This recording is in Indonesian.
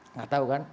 nggak tahu kan